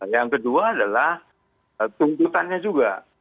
yang kedua adalah tuntutannya juga